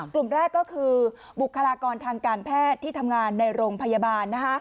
กลุ่มแรกก็คือบุคลากรทางการแพทย์ที่ทำงานในโรงพยาบาล